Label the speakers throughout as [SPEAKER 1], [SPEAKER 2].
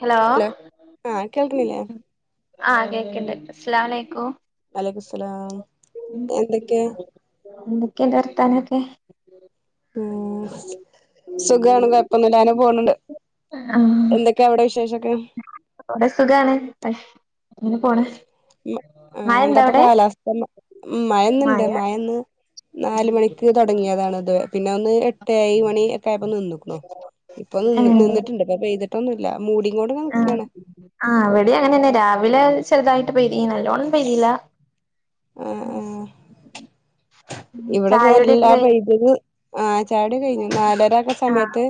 [SPEAKER 1] Hello
[SPEAKER 2] ആഹ് കേൾക്കണില്ലേ
[SPEAKER 1] ആ കേക്കണ്ട അസൂലാ അലെക്കും
[SPEAKER 2] ഉസ്ല്ല എന്തൊക്കെയ
[SPEAKER 1] എന്തൊക്കെയ ഉണ്ട് വർത്താനൊക്കെ
[SPEAKER 2] ഉം സുഖണ് കുഴപ്പ ഒന്ന്മില്ലാതെ പോണണ്ട്
[SPEAKER 1] ആഹ്
[SPEAKER 2] എന്തൊക്കെയ അവിടെ വിശേഷൊക്കെ
[SPEAKER 1] ഇവിടെ സുഖാണ് അങ്ങനെ പോണ് മഴണ്ടോ
[SPEAKER 2] എന്താപ്പ
[SPEAKER 1] അവിടെ
[SPEAKER 2] കാലാവസ്ഥ മഴന്നുണ്ട്
[SPEAKER 1] മഴ
[SPEAKER 2] മഴന്ന് നാല് മണിക്ക് തുടങ്ങിയതാണ് ഇത് പിന്നെ ഒന്ന് എട്ട് ഴ മണി ഏട്ടു ആയപ്പോ നിന്നു ഇപ്പൊ നിന്ന്
[SPEAKER 1] ഏഹ്
[SPEAKER 2] നിന്നിട്ടുണ്ട് ഇപ്പൊ പെയ്തിട്ടൊന്നുംല്ല മൂടിങ്ങോട് നിൽക്കയാണ്
[SPEAKER 1] ആ ഇവിടെ അങ്ങനെന്നെ രാവിലെ ചെറുതായി നല്ലോണം പെയ്തില്ല
[SPEAKER 2] ആഹ് ആഹ്
[SPEAKER 1] ചായകുടിക്കെ കഴി
[SPEAKER 2] ആ ചായകുടി കഴിഞ്ഞു നാല ഇതക്ക
[SPEAKER 1] ആഹ്
[SPEAKER 2] സമയത്ത്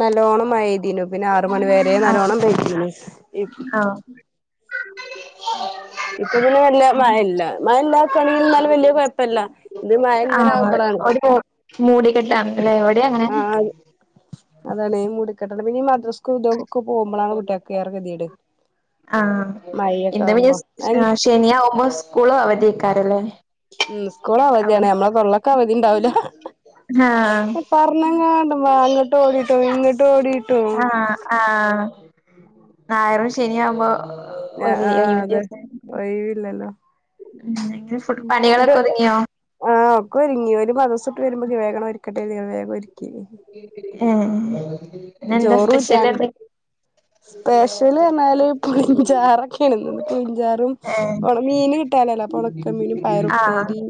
[SPEAKER 2] നല്ലോണം മഴ പെയ്തരുന്നു പിന്നെ ആറ് മണി വരെ നല്ലോണം പെയ്തിർന്നു
[SPEAKER 1] ആ
[SPEAKER 2] [unintelligible] ഇപ്പൊ പിന്നെ വല്യ മഴ ഇല്ല മഴ ഇല്ലാക്കുകയാണെങ്കിൽ എന്നാലും വലിയ കുഴപ്പമില്ല ഇത് മഴ ഇങ്ങനെ ആകുമ്പോഴാണ്
[SPEAKER 1] മൂടിക്കെട്ടാണ്ല്ലേ ഇവിടെ അങ്ങനെ
[SPEAKER 2] ആഹ് അതാണ് ഇ മൂടി ക്കെട്ട് പിന്നെ മദ്രസ് ഒക്കെ പോകുമ്പോളാണ് കുട്ടികക്ക് ഗതികേട് മഴ
[SPEAKER 1] ഇത് പിന്നെ ശനിയാവുമ്പോ സ്കൂളോ അവധി വെയ്ക്കാറില്ലേ
[SPEAKER 2] ഉം സ്കൂൾ അവധിയാണ് മ്മളെ കൊല്ലത്തു അവധി ഉണ്ടാവൂല
[SPEAKER 1] ആഹ്
[SPEAKER 2] പറഞ്ഞങ്ങണ്ട വാ അങ്ങോട്ട് ഓടിട്ടോ ഇങ്ങോട്ട് ഓടിട്ടോ
[SPEAKER 1] ആ ആ ഞായറും ശനിയും ആവുമ്പോ
[SPEAKER 2] ആ ആ അതെ ഒഴവില്ലല്ലോ
[SPEAKER 1] ഉം അങ്ങനെ ഫുഡ്
[SPEAKER 2] ഒരു
[SPEAKER 1] പണികളൊക്കെ ഒതുങ്ങിയോ
[SPEAKER 2] ആഹ് ഒക്കെ ഒരുങ്ങി ഒരു മ വരുമ്പോക്ക് വേഗോ ഒരുരിക്കട്ടെ നി വഗം
[SPEAKER 1] ആഹ എന്താ സ്പെഷ്യൽ
[SPEAKER 2] ചോറൂറ്റാണ്ട് സ്പെഷ്യല് എന്നാല പുളിചാറൊക്കെ ഇണന്ന് കുഞ്ചാറും
[SPEAKER 1] ഏഹ്
[SPEAKER 2] മീന് കിട്ടാലല്ലോ ഓണക്ക മീനും പയറുപ്പേരി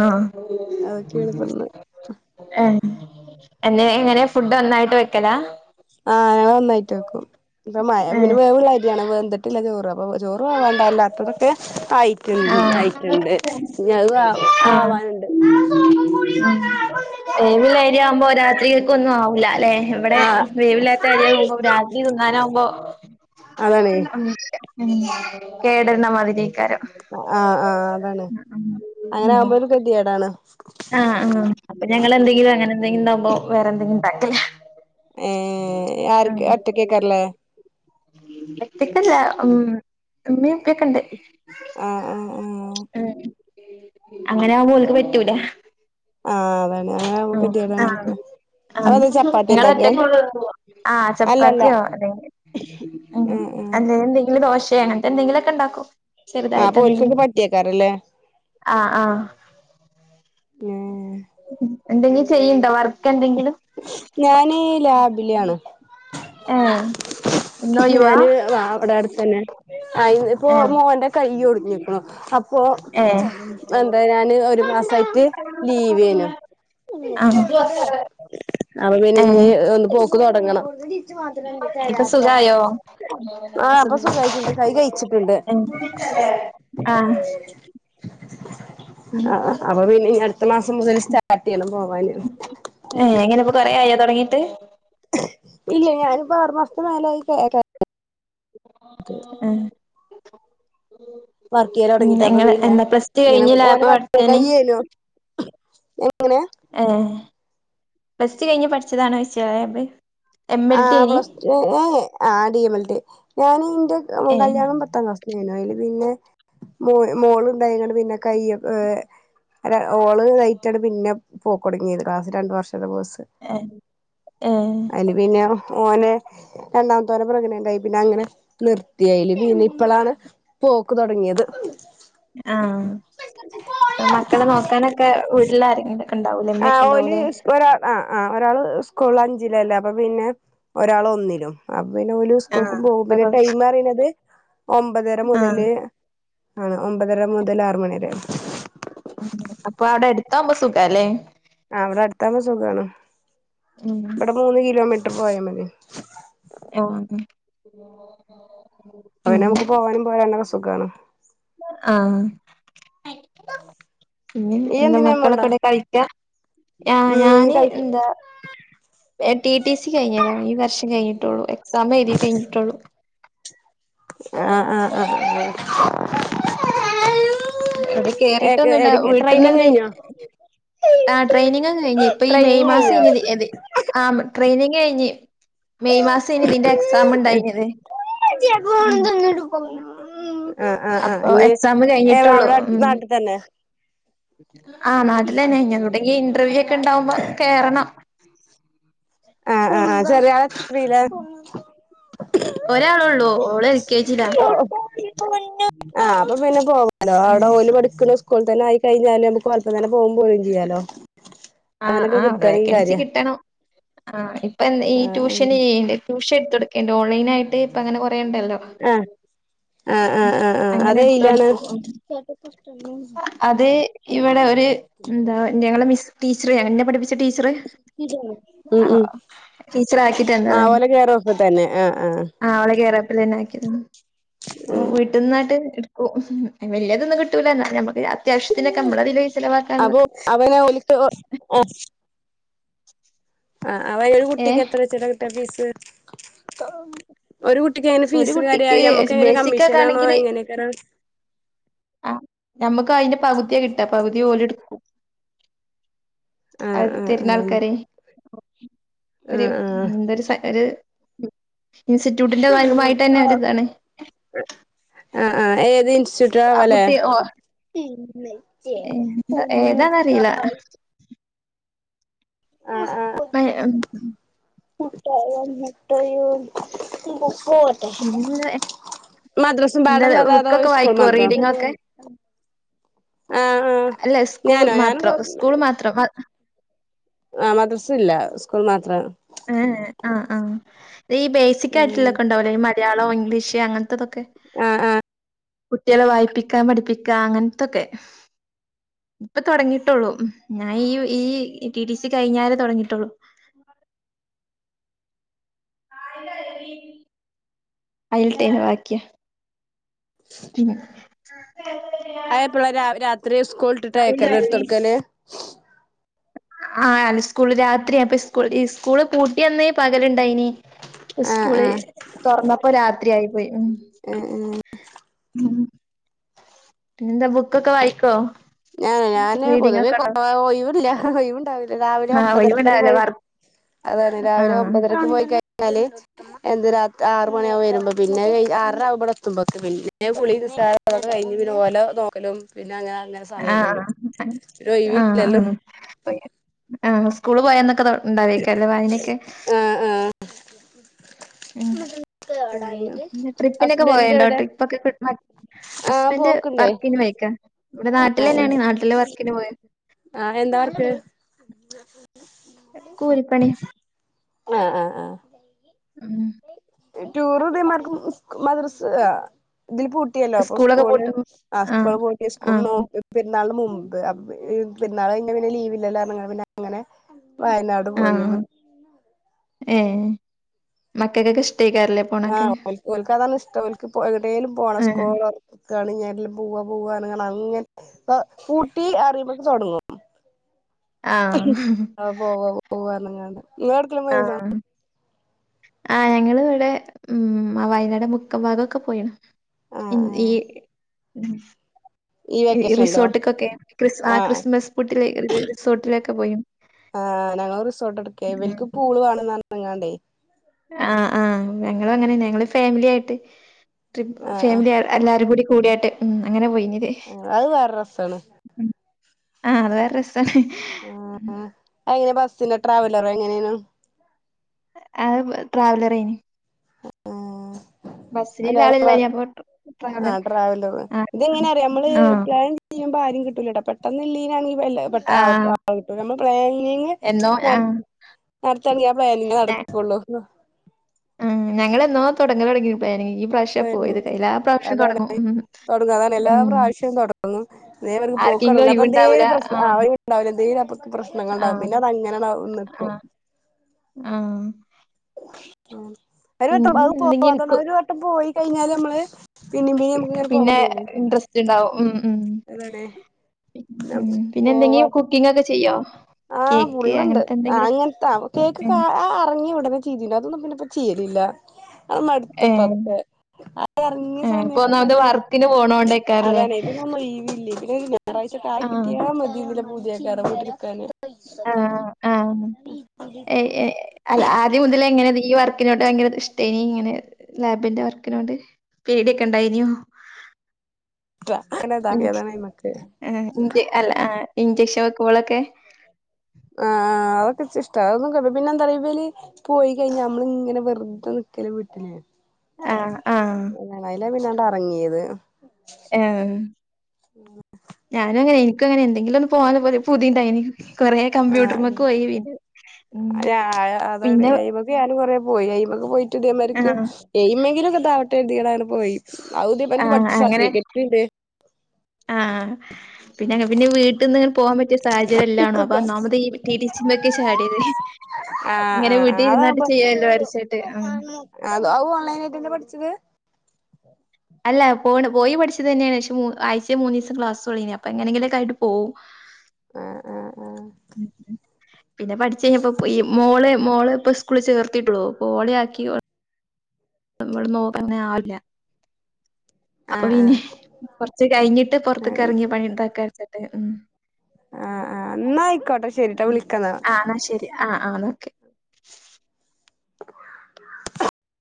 [SPEAKER 1] ആഹ
[SPEAKER 2] അതൊക്കേണ് ഇപ്പന്ന്
[SPEAKER 1] ആഹ് എന്നെ ഇങ്ങനെ ഫുഡ് ഒന്നായിട്ട് വെക്കലാ
[SPEAKER 2] ആഹ് ഞങ്ങ നന്നായിട്ട് വെക്കും ഇപ്പ മഴ പിന്നെ
[SPEAKER 1] ഏഹ്
[SPEAKER 2] വേവള്ളരിയണ് വ പ ചോറും അപ്പ ചോറുവാണ്ടല്ലാൊക്കെ ആയിട്ടുണ്ട് ആയിട്ടുണ്ട്
[SPEAKER 1] ആഹ്
[SPEAKER 2] ഇനിത് ആ
[SPEAKER 1] ആഹ്
[SPEAKER 2] ആവാനുണ്ട് കു
[SPEAKER 1] ഉം
[SPEAKER 2] [unintelligible]
[SPEAKER 1] രാത്രികൾക്ക ഒന്നും ആവൂല്ല അല്ലെ ഇവിടെ
[SPEAKER 2] ആഹ്
[SPEAKER 1] വേവില്ലാത്ത അരിയാകുമ്പോ രാത് തിങ്ങാനാകുമ്പോ
[SPEAKER 2] അതാണേ
[SPEAKER 1] കേടരുന്ന മതിനീക്കാരം
[SPEAKER 2] ആഹ് ആഹ അതാണ് അങ്ങനെ
[SPEAKER 1] ഉം
[SPEAKER 2] ആവുമ്പോരു ക്കെത്യേടാണ്
[SPEAKER 1] ആഹ് ആ് അപ്പൊ ഞങ്ങൾ എന്തെങ്കിലും അങ്ങനെ എന്തെങ്കിലും ഉണ്ടാവുമ്പോ വേറെ എന്തെങ്കിലും ഉണ്ടാക്കില്ല
[SPEAKER 2] ഏഹ് ആർ ഒറ്റക്കക്കാരല്ലേ
[SPEAKER 1] ഒറ്റക്കല്ല ഉ ഉമ്മീ എപ്പൊക്കെണ്ട്
[SPEAKER 2] ആഹ് ആഹ് ആഹ്
[SPEAKER 1] ഉം അങ്ങനെ ആവുമ്പോ ഓലക്ക് പറ്റൂല
[SPEAKER 2] ആഹ് അതാണ് അങ്ങനെ ആവുമ്പോ കേത്യാടാൻ
[SPEAKER 1] ആ നിങ്ങള ഒറ്റകൊള്ളു ആ
[SPEAKER 2] അല്ലല്ല
[SPEAKER 1] ചപ്പാത്തിയോ അതെ ഉ
[SPEAKER 2] ആഹ് ആഹ്
[SPEAKER 1] അല്ല എന്തെങ്കിലും ദോശ അങ്ങനത്തെ എന്തെങ്കിലുമൊക്കെ ഉണ്ടാക്കോ
[SPEAKER 2] ആഹ്
[SPEAKER 1] ചെറുതായിട്ട്
[SPEAKER 2] അപ്പൊ ഓൽക്കൊക്കെ
[SPEAKER 1] എന്തെങ്കിലും
[SPEAKER 2] പറ്റിയേക്കാരല്ലേ
[SPEAKER 1] ആഹ ആഹ
[SPEAKER 2] ഏഹ്
[SPEAKER 1] എന്തെങ്കിലും ചെയ്യണ്ടോ വർക്ക് എന്തെങ്കിലും
[SPEAKER 2] ഞാന ലാബില ആണ്
[SPEAKER 1] ഏഹ് ഇന്നൊഴിവാ
[SPEAKER 2] ഞാന് വ അവിടെ അടുത്ത തന്നെ ആ ഇപ്പൊ
[SPEAKER 1] ഏഹ്
[SPEAKER 2] മോന്റെ കൈ ഒടുഞ്ഞക്കുണ് അപ്പൊ
[SPEAKER 1] ഏഹ്
[SPEAKER 2] എന്താ ഞാന് ഒരു സായിട്ട് ലീവ്യനു
[SPEAKER 1] ആഹ്
[SPEAKER 2] അവ പിന്നെ ഇ
[SPEAKER 1] ഏഹ്
[SPEAKER 2] ഒന്ന് പോ തുടങ്ങണം മാത്രം എ തരാ
[SPEAKER 1] ഇപ്പൊ സുഖായോ
[SPEAKER 2] ആഹ് അപ്പ സുഖായിച്ചണ്ട് കൈകയിച്ചിക്കൻ
[SPEAKER 1] ആഹ്
[SPEAKER 2] [unintelligible] ആ അപ്പൊ പിന്നെ ഇ അടുത്ത മാസം മുതൽ സ്റ്റാർട്ട് ചെയ്യണം പോവാന്
[SPEAKER 1] ഏഹ് ങ്ങനെ ഇപ്പൊ കൊറയ [unintelligible]
[SPEAKER 2] ഇല്ല ഞാനിപ്പോ ആറു മാസത്തെ മേലായി കേക്ക
[SPEAKER 1] ആഹ്
[SPEAKER 2] വർക്ക് ചെയ്യല് തൊടങ്ങിട്ട് അപ്പൊ
[SPEAKER 1] ങ്ങള് എാ
[SPEAKER 2] പിന്നെ
[SPEAKER 1] പ്ലസ്
[SPEAKER 2] ഇങ്ങനെ
[SPEAKER 1] കഴിഞ്ഞു ലാഭ അടുത്തേന്
[SPEAKER 2] എ
[SPEAKER 1] ഏ പ്ലസ്ടു കഴിഞ്ഞ് പഠിച്ചതാണ് വിച്ചബ
[SPEAKER 2] ആ പ്ലസ് ഏ ആ ഡി എംൽ ഞാന് എന്റെ
[SPEAKER 1] ഏഹ്
[SPEAKER 2] കല്യാണം പത്താം ക്ലാസ്സന അല് പിന്നെ മോ മോളുണ്ടായങ്ങണ്ട് പിന്നെ കയ്യപ്പഏ ഓള് കഴട്ടാണ് പിന്നെ പോക്കൊ ടങ്ങിയത് ക്ലാസ് രണ്ടു വർഷം ക്ഷസ്
[SPEAKER 1] ഏഹ് ഏഹ്
[SPEAKER 2] അതില് പിന്നെ ഓനെ രണ്ടാമത്തെോനെ പ്രഗ്നെണ്ടായി ട പിന്നെ അങ്ങനെ നിർത്തിയായില് പിന്ന ഇപ്പോളാണ് പോക്ക് തുടങ്ങിയത്
[SPEAKER 1] ആഹ ഇപ്പ മക്കളെ നോക്കാനൊക്കെ ഉള്ളില ആാരണ്ട്
[SPEAKER 2] ആഹ് ഓലി ഒരാ ആ ആ ഒരാൾ സ്കൂള അഞ്ചിലല്ലേ അപ്പൊ പിന്നെ ഒരാൾ ഒന്നിലും പിന്നെ ഓല്
[SPEAKER 1] ആഹ്
[SPEAKER 2] സ്കൂൾക്കും പോകും പിന്നെ ടൈം അറിയണത് ഒമ്പതര
[SPEAKER 1] ആഹ്
[SPEAKER 2] മുതല് ആണ് ഒമ്പതര മുതല് ആറ് മണിവരെണ്
[SPEAKER 1] ഉ അപ്പൊ അവടെ എടുത്താവുംമ്പോ സുഖാലെ
[SPEAKER 2] ആ അവിടെ അടുത്താവുമ്പോ സുഖാണ്
[SPEAKER 1] ഉം
[SPEAKER 2] ഇവിടെ മൂന്ന് കിലോമീറ്റർ പോയാ മതി
[SPEAKER 1] ആഹ്
[SPEAKER 2] അങ്ങനെ
[SPEAKER 1] പിന്നെ
[SPEAKER 2] നമുക്ക് പോവാനും പോരനൊക്കെ സുഖാണ്
[SPEAKER 1] ആഹ് പിന്നെ
[SPEAKER 2] ഇയ്യ്
[SPEAKER 1] എന്താ
[SPEAKER 2] എന്തിനേം
[SPEAKER 1] മക്കളെ
[SPEAKER 2] പോണ്ട
[SPEAKER 1] എവടെ കളിക്കാ ആ
[SPEAKER 2] ഉം
[SPEAKER 1] ഞാന്
[SPEAKER 2] കളിച്ച്
[SPEAKER 1] എന്താ ടി ടി സി കഴിഞ്ഞതാ ഈ വർഷം കഴിഞ്ഞിട്ടൊള്ളു എക്സാം എഴുതി കഴിഞ്ഞിട്ടൊള്ളു
[SPEAKER 2] അ ആ ആ ആ
[SPEAKER 1] എവിടിം കേറിട്ടൊന്നുല്ല
[SPEAKER 2] ട്രെയിനിങ്
[SPEAKER 1] വീട്ടിന്നേയ്ന്ത്യ
[SPEAKER 2] കഴിഞ്ഞോ
[SPEAKER 1] ആ ട്രെയിനിങ്ങോക്കെ കഴിഞ് ഇപ്പൊ ഈ മെയ്
[SPEAKER 2] ട്രെയിനിങ്
[SPEAKER 1] മാസം
[SPEAKER 2] കഴിഞ്ഞോ
[SPEAKER 1] ഇനി ആ ട്രെയിനിങ് കഴിഞ് മെയ് മാസേയ്ന് ഇതിന്റെ എക്സാം ണ്ടായിനത്
[SPEAKER 2] [unintelligible] ആഹ് ആഹ് ആ
[SPEAKER 1] അപ്പൊ
[SPEAKER 2] ഇഞ്ഞി
[SPEAKER 1] എക്സാം
[SPEAKER 2] ഏ അവടെ അടുത്ത് നാട്ടി തന്നെ
[SPEAKER 1] ആ
[SPEAKER 2] ആഹ്
[SPEAKER 1] നാട്ടിലന്നെ ഇഞ്ഞി എങ്ങോട്ടേക്ക്ഇന്റർവ്യൂ ക്കെ ണ്ടാവുമ്പോ കേറണം
[SPEAKER 2] ആഹ് ആഹ് ആ് ചെറിയാളത്രില
[SPEAKER 1] ഒരാളൊ ള്ളൂ ഓള എൽകെജില
[SPEAKER 2] ആ അപ്പൊ പിന്നെ പോവാലോ
[SPEAKER 1] ഉം
[SPEAKER 2] അവടെ ഓല് പഠിക്കണ സ്കൂളി തന്നെ ആയി കഴിഞ്ഞാലും നമുക്ക് ഓലപ്പംതന്നെ പോവും പോരും ചെയാലോ
[SPEAKER 1] ആഹ ആ അവ്ടെ വേക്കൻസി കിട്ടണോം ആഹ് ഇപ്പ ഈ ട്യൂഷൻ
[SPEAKER 2] ആഹ്
[SPEAKER 1] ചെയ്യേണ് ണ്ട് ട്യൂഷൻ എടത്ത് കൊടക്കണണ്ട് ഓൺലൈനായിട്ട് ഇപ്പ അങ്ങനെ അറിയെണ്ടല്ലോ
[SPEAKER 2] ആഹ് ആഹ് ആഹ് ആഹ് ആഹ്
[SPEAKER 1] അങ്ങനെ
[SPEAKER 2] അതേയിലാണ്
[SPEAKER 1] എടുത്തൊടുക്കും അത് ഇവിടെ ഒര് എന്താ ഞങ്ങളെ ടീച്ചറ് എന്നെ പഠിപ്പിച്ച ടീച്ചറ്
[SPEAKER 2] ഉം
[SPEAKER 1] ആ
[SPEAKER 2] ഉം
[SPEAKER 1] ടീച്ചറാ ക്കിതന്നതാ
[SPEAKER 2] ആഹ് ഓലെ കെയർ ഓഫ് തന്നെ ആഹ്
[SPEAKER 1] ആഹ് അവളെ കേറപ്പിലന്നെ ആക്കിതന്നെ ഒ വീട്ടന്നാട്ട് ഇട്ക്കും വല്ിയതൊന്നും കിട്ടൂല ന്നാലും നമക്ക് അത്യാവശ്യത്തിനൊക്കെ നമ്മളതില്
[SPEAKER 2] അപ്പൊ
[SPEAKER 1] ചെലവാക്കല്ലതോക്കെ
[SPEAKER 2] അവനെ ഓൽക്ക് ആ അവടെ ഒരു കുട്ടിക്ക്
[SPEAKER 1] ഏഹ്
[SPEAKER 2] എത്ര വെച്ച്ട്ട കിട്ടാ ഫീസ് ഒരു കുട്ടിക്ക് എങ്ങനെ
[SPEAKER 1] ഒരു
[SPEAKER 2] ഫീസ് കര്യാ
[SPEAKER 1] കുട്ടിക്ക്
[SPEAKER 2] ഞമ്മക്ക് എങ്ങനെ
[SPEAKER 1] ബേസിക് ഒക്കെ
[SPEAKER 2] കമ്മീഷനാണോ
[SPEAKER 1] ആണെങ്കില്
[SPEAKER 2] എങ്ങനെക്കാരം
[SPEAKER 1] ആ നമ്മുക്ക് അതിന്റെ പകുതിയ കിട്ടാ പകുതി ഓല് ഇട്ക്കും
[SPEAKER 2] ആഹ്
[SPEAKER 1] അത്
[SPEAKER 2] ആഹ്
[SPEAKER 1] തരുന്ന ആൾക്കാരെയ് ഒരു
[SPEAKER 2] ആഹ്
[SPEAKER 1] എന്തരു ഒരു ഇൻസ്റ്റിറ്റ്യൂട്ടിന്റെ ഭാഗമായിട്ട് തന്നെ ഒര് താണ്
[SPEAKER 2] അ ആ ഏത് ഇൻസ്റ്റിറ്റ്യൂട്ട് ആവല്ലേ
[SPEAKER 1] ആകുട്ടി എന്താ ഏതാന്ന
[SPEAKER 2] മുട്ട
[SPEAKER 1] റിയില മേ അം
[SPEAKER 2] മുട്ടയ മുട്ടയോ
[SPEAKER 1] എന്താ
[SPEAKER 2] മദ്രസുംമ്പടല്ള്ളതാ അതൊ
[SPEAKER 1] ബുക്കൊക്കെ
[SPEAKER 2] സ്‌കൂള്
[SPEAKER 1] വായിക്കോ
[SPEAKER 2] മാത്രോ
[SPEAKER 1] റീഡിംഗ് ഒക്കെ
[SPEAKER 2] ആഹ് ആഹ്
[SPEAKER 1] അല്ല സ്കൂള്
[SPEAKER 2] ഞാനോ ഞാനും
[SPEAKER 1] മാത്രം സ്കൂള് മാത്രം
[SPEAKER 2] ആഹ മദ്രസ് ഇല്ല സ്കൂള് മാത്രം
[SPEAKER 1] ആ ആ ആ് ഈ ബേസിക്
[SPEAKER 2] ഉം
[SPEAKER 1] ആയിട്ടുള്ളൊതോക്കെ ണ്ടവുലെ ഈ മലയാളോം ഇംഗ്ലീഷ് അങ്ങ അങ്ങനെത്തതോക്കെ
[SPEAKER 2] ആഹ് ആഹ്
[SPEAKER 1] കുട്ടിയെളെ വായിപ്പിക്കാ പഠിപ്പിക്ക അങ്ങനത്തൊക്കെ ഇപ്പ തോടങ്ങിയിട്ടൊള്ളു ഞാൻ ഇ ഈ ടിടി സി കഴിഞ്ഞാലെ തോടങ്ങിട്ടൊ ള്ളു ഉ അയിൽത്തേന വാക്യാ പിന്നെ,
[SPEAKER 2] ആ എപ്പള രാത്രി സ്കൂള് ഇട്ടിട്ടേയ് ക്കാരല്ലേയ് ഇട്ത്ത് കൊടുക്കല്
[SPEAKER 1] ആഹ അല്ല സ്കൂള് രാത്രിയാ അപ്പൊ സ്കൂ സ്കൂള് പൂട്ടിയ അന്നേയ് പകല് ണ്ടായിനി
[SPEAKER 2] ആഹ്
[SPEAKER 1] സ്കൂള്
[SPEAKER 2] ആഹ്
[SPEAKER 1] തോറന്നപ്പോ രാത്രി ആയി പോയി ഉ
[SPEAKER 2] ഏഹ് ഏഹ്
[SPEAKER 1] പിന്ന എന്താ ബുക്കൊക്കെ വായിക്കോ
[SPEAKER 2] ഞ ഞാന്
[SPEAKER 1] റീഡിംഗ്
[SPEAKER 2] പൊതുവേ
[SPEAKER 1] ഒക്കെ ഉണ്ടോ
[SPEAKER 2] ഒയ്വില്ല ഒയ്‌വ് ണ്ടാ രാവിലെ
[SPEAKER 1] ആഹ്
[SPEAKER 2] ഒമ്പതരക്കാണ്
[SPEAKER 1] ഒഴിവുണ്ടാവില്ല
[SPEAKER 2] പോയി
[SPEAKER 1] വർ
[SPEAKER 2] അതാണ് രാവിലെ
[SPEAKER 1] ആഹ്
[SPEAKER 2] ഒമ്പതരക്ക് പോയി എന്നല് എന്ത് രാത്രി ആറ് മണിയാവക വരുമ്പോ പിന്നെ ആറരാകുമ്പടെ മ്പൊക്കെ പിന്നെ കുളി നിസ്ക്കാരംതൊക്കെ കഴിഞ് പിന്നെ ഓല നോക്കലും പിന്നെ അങ്ങനെ അങ്ങനെ സമയം
[SPEAKER 1] ആഹ
[SPEAKER 2] കഴിയും പിന്നെ
[SPEAKER 1] ആഹ് ആഹ
[SPEAKER 2] ഒഴിവില്ലല്ലോ
[SPEAKER 1] ആ സ്കൂള് പോയന്നൊക്കെ ഉണ്ടാവേക്കല്ലോ വായനക്കെ
[SPEAKER 2] [inaudible]
[SPEAKER 1] ഉം
[SPEAKER 2] അങ്ങനെ
[SPEAKER 1] ട്രിപ്പിനൊക്കെ
[SPEAKER 2] ഹസ്ബൻഡ്
[SPEAKER 1] പോവേണ്ടോ
[SPEAKER 2] എവിടെ
[SPEAKER 1] ട്രിപ്പൊക്കെ
[SPEAKER 2] ആഹ്
[SPEAKER 1] ഹസ്ബൻഡ്
[SPEAKER 2] പോക്ക്ണ്ടേ
[SPEAKER 1] വർക്കിന് പോയേക്കാ വടെ നാട്ട്ല് തന്നെയാണ് നാട്ടില് വർക്കിന് പോയ
[SPEAKER 2] ആഹ എന്താ വർക്ക്
[SPEAKER 1] കൂലിപ്പണി
[SPEAKER 2] ആഹ ആഹ ആഹ
[SPEAKER 1] ഉം
[SPEAKER 2] ടൂറ് തേ മാർക്കും മദർസ് ഇതിൽ പൂട്ടിയല്ലോ അപ്പൊ
[SPEAKER 1] സ്കൂളൊക്കെ
[SPEAKER 2] സ്കൂള്
[SPEAKER 1] പൂട്ടുമ്പോ
[SPEAKER 2] സ്കൂൾ
[SPEAKER 1] ആഹ്
[SPEAKER 2] പൂട്ടി സ്കൂ
[SPEAKER 1] ആഹ്
[SPEAKER 2] പെരുന്നാൾന് മുമ്പ് പെര്ന്നാള് കഴിഞ്ഞാ പിന്നെ ലീവ് ലല്ല പിന്നെ അങ്ങനെ വയനാട് പോയി
[SPEAKER 1] ആഹ ഏ മക്കക്കൊക്കഷ ട്ടേക്കാറല്ലേ പോണൊക്കെ
[SPEAKER 2] ആഹ് ഓൽക്ക് ഓൽക്ക് അതാണ് ഓൽക്ക് പ്പൊ എങ്ങട്ടെലും പോണ
[SPEAKER 1] ആഹ്
[SPEAKER 2] സ്കോ ണ് ല്ലാം പോവാ പോവ അങ്ങനെ പൂ ട്ടി അറിയുമ്പക്ക് തൊട്ങ്ങും
[SPEAKER 1] ആഹ
[SPEAKER 2] ആഹ് പോവാ [unintelligible]
[SPEAKER 1] ആഹ ഞങ്ങള് ഇവിടെ ഉം വയനാട് മുക്കം ഭാഗംക്കെ പോയിണ്
[SPEAKER 2] ആഹ്
[SPEAKER 1] ഈ
[SPEAKER 2] ആഹ് ഈ വെക്കേഷനിലോ
[SPEAKER 1] റിസോർട്ടിക്കൊക്കെ ആ
[SPEAKER 2] ആഹ്
[SPEAKER 1] ക്രിസ്മസ് പൂട്ടിലെ റിസോർട്ടിലൊക്കെ പോയി
[SPEAKER 2] ആഹ് ഞങ്ങള് റിസോർട്ട് എടുക്ക ഇവൽക്ക് പൂള് വേണന്നർന്ന്ങ്ങാ ണ്ടേ
[SPEAKER 1] ആഹ ആഹ് ഞങ്ങളും അങ്ങനെ ന്നെ ഞങ്ങള് ഫാമിലി ആയിട്ട് ട്രിപ്പ്
[SPEAKER 2] ആഹ്
[SPEAKER 1] ഫാമിലി എല്ലാരും കൂടി കൂട്യാട്ട് അങ്ങനെ പോയി.
[SPEAKER 2] ആ അത് വേറെ രസാണ്
[SPEAKER 1] ആ അത് വേറെ രസാണ്.
[SPEAKER 2] പിന്നെട്രാവലറോ എങ്ങനെയാണ്
[SPEAKER 1] അ ട്രാവലറേനി
[SPEAKER 2] അല്ല
[SPEAKER 1] ബസ്സിലില്ല ആളില്ലായിനി അപ്പൊ
[SPEAKER 2] ആ
[SPEAKER 1] ട്രാവലർ
[SPEAKER 2] ട്രാവലർ
[SPEAKER 1] ആഹ്
[SPEAKER 2] ഇതെങ്ങനെ അറിയാം അമ്മള്
[SPEAKER 1] ആഹ്
[SPEAKER 2] പ്ലാൻ ചെയ്യുമ്പ കിട്ടൂല ട്ടോ പെട്ടെന്നില്ലീനാണെങ്കി ആളെ
[SPEAKER 1] ആഹ്
[SPEAKER 2] കിട്ട നമ്മള് പ്ലാനിങ്
[SPEAKER 1] എന്നോ ആഹ്
[SPEAKER 2] നടത്താണെങ്കി ആ പ്ലാന്നിങ്ങേ നടക്കള്ളൂ
[SPEAKER 1] ഞങ്ങൾ എന്നോ തൊട്ങ്ങലൊട്ങ്ങീ ണ് പ്ലാനിങ് ഈ പ്രാവശ്യാ
[SPEAKER 2] രി
[SPEAKER 1] പോയത് എല്ലാ പ്രാവശ്യം
[SPEAKER 2] അതാണ്
[SPEAKER 1] തൊടങ്ങും ഉം
[SPEAKER 2] തൊട്ങ്ങും അതാണ് എല്ലാ
[SPEAKER 1] ഉം
[SPEAKER 2] പ്രാവശ്യം തൊട്ങ്ങും. പോക്ക്
[SPEAKER 1] ആർക്കെങ്കിലും
[SPEAKER 2] അപ്പൊ
[SPEAKER 1] ഒഴിവുണ്ടാവൂല
[SPEAKER 2] എന്തേങ്കലും പ്രശ്ന ആ
[SPEAKER 1] ആഹ്
[SPEAKER 2] അവര്ണ്ടാവില്ല എന്തേലും പ്രശ്നങ്ങൾണ്ടാവും പിന്നെ അതങ്ങനെ നിക്കും
[SPEAKER 1] ആ
[SPEAKER 2] ഉം ഒരു വട്ടം അത്
[SPEAKER 1] എന്തെങ്കി
[SPEAKER 2] പോവാതണ
[SPEAKER 1] കു
[SPEAKER 2] ഒരു വട്ടം പോയി കഴിഞ്ഞാല് നമ്മള് പിന്നിം പിന്നിം ഞമ്മക്ക് ങ്ങനെ പോവാൻ
[SPEAKER 1] പിന്നെ
[SPEAKER 2] തോന്നും.
[SPEAKER 1] ഇൻട്രസ്റ്റ് ഇണ്ടാവും ഉം ഉം
[SPEAKER 2] അതണേ ഞാൻ
[SPEAKER 1] ഉം പിന്നെ
[SPEAKER 2] പോവാ
[SPEAKER 1] എന്തെങ്കിലും കുക്കിംഗ് ഒക്കെ ചെയ്യോ
[SPEAKER 2] ആഹ്
[SPEAKER 1] കേക്ക്
[SPEAKER 2] ഫുള്ള് ണ്ട്.
[SPEAKER 1] അങ്ങനത്തെ എന്തെങ്കിലൊക്കെ
[SPEAKER 2] അങ്ങനത്താ കേക്ക്
[SPEAKER 1] ഏഹ്
[SPEAKER 2] ആ അർങ്ങി ഉടനെ തിരിണ അതൊന്നും പിന്നെപ്പ ചേലില്ല ആ മടുത്തപ്പ
[SPEAKER 1] ഏഹ്
[SPEAKER 2] അക്കെ അ എർ ങ്ങിയ
[SPEAKER 1] ഏഹ് ഇപ്പൊ
[SPEAKER 2] സമയത്തൊക്കെ
[SPEAKER 1] ഒന്നാമത്
[SPEAKER 2] ആ
[SPEAKER 1] വർക്കിന് പോണോണ്ടേക്കാരല്ലേ
[SPEAKER 2] അതാണേ ഇതിനൊന്നും ഒയ്വില്ലേ പിന്നൊരു ഞായറാഴ്ച ക്കെ ആയി
[SPEAKER 1] ആ.
[SPEAKER 2] കിട്ടിയാ മതി. [unintelligible]
[SPEAKER 1] ആഹ ആഹ ആദ്യം മുതല എങ്ങനെ ഈ, വർക്കിനോട്, ഭയങ്കര ഇഷ്ടമായിന്, ഇങ്ങനെ, ലാബിന്റെ വർക്കിനോട്, പേടിയൊക്കെ ണ്ടായിനോ. [unintelligible]
[SPEAKER 2] അങ്ങനെതാക്കിയതാണ് അയ്മക്ക്
[SPEAKER 1] അല്ല, ആ, ഇഞ്ചക്ഷൻ, വെക്കുമ്പോളൊക്കെ.
[SPEAKER 2] ആഹ്, അതൊക്കെച്ച്ഷ്ട, അതൊന്നും, ക, പിന്നെന്താറിയൊ, ഇവല്, പോയ്‌ കയിഞ്ഞ, മ്മള്, ങ്ങനെ, വേറെ [inaudible] പിന്നെണ്ട്,
[SPEAKER 1] ആ ആ.
[SPEAKER 2] ഇറങ്ങിയത്.
[SPEAKER 1] ഏ, ഞാനും, അങ്ങനെ, എനിക്കും, അങ്ങനെ, എന്തെങ്കിലും, ഒന്ന്, പോകാന്, പുതിണ്ടയിനി. എ, കമ്പ്യൂട്ടർമ്മക്ക്, പോയി, ഉ
[SPEAKER 2] ഞ, അതാണ്, അയ്മക്ക്, ഞാനും കൊറേ, പോയി, അയ്മക്ക് പോയിട്ട്, ദേ
[SPEAKER 1] ആ
[SPEAKER 2] മാതിരിക്ക്, എയ്മ്മെങ്കി താവട്ടെരിതിങ്ങാണ്ടങ്ങനെ പോയി,
[SPEAKER 1] ആ
[SPEAKER 2] [unintelligible] പഠിച്ച്,
[SPEAKER 1] അങ്ങനെ
[SPEAKER 2] സർട്ടിഫിക്കറ്റ്, ണ്ട്.
[SPEAKER 1] ആ പിന്നെ, പിന്നെ, വീട്ടിന്ന്, ങ്ങനെ പോകാൻ പറ്റ സാഹചര്യംല്ലാണോ,
[SPEAKER 2] ഇക്കക്കോ
[SPEAKER 1] അപ്പൊന്നാമത്, ഈ, ടി ടി സി മ്മക്ക്, ക്കെ ചാടിയത്.
[SPEAKER 2] ആഹ, ആ,
[SPEAKER 1] ഇങ്ങനെ
[SPEAKER 2] ആ,
[SPEAKER 1] വീട്ടിൽ ഇരുന്നാട്ട്
[SPEAKER 2] അതാവുമ്പോ,
[SPEAKER 1] ചെയ്യാല്ലോ വിചാരിച്ചിട്ട്. ഉം.
[SPEAKER 2] അ, അഓൺലൈനായിട്ടെന്നെ, പഠിച്ചത്.
[SPEAKER 1] അല്ല, പോണ്, പോയി പഠിച്ചത് തന്നെയാണ്, അശേ, മു, ആയ്ച്ചേ മൂന്നീസേ, ക്ലാസ്സോളേയ്നിം, അപ്പൊ എങ്ങനെങ്കിലുക്കെയിട്ട്, പോവും.
[SPEAKER 2] ആ, അ, അ.
[SPEAKER 1] പിന്നെപഠിച്ചയ്ഞ്ഞപ്പോ, മോള്, മോള്പ്പൊ, സ്കൂൾ, ചേർത്തീട്ടുള്ളു, പ്പൊളേ [unintelligible] ല്ല അപ്പൊ,
[SPEAKER 2] ആഹ് ആഹ്
[SPEAKER 1] പിന്ന,
[SPEAKER 2] ആഹ്
[SPEAKER 1] കൊറച്ച്, കഴിഞ്ഞിട്ട്,
[SPEAKER 2] ആഹ്
[SPEAKER 1] പൊറത്തക്കെറങ്ങി, പണിയെട്ത്ക്ക, വെച്ച്
[SPEAKER 2] ആഹ് ആഹ് എന്നാ ആയിക്കോട്ടെ ശരിട്ടാ വിളിക്കന്നാ
[SPEAKER 1] ആ, ന്നാ, ശരി, ആ, ആ.